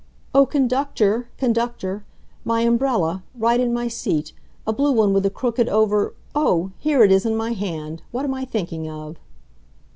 "Oh, Conductor! Conductor! My umbrella—right in my seat—a blue one with a crooked over—oh, here it is in my hand! What am I thinking of!"